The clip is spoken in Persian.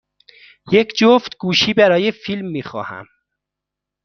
یک جفت گوشی برای فیلم می خواهم.